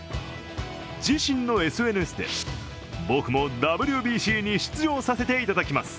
自身のＳＮＳで、僕もＷＢＣに出場させていただきます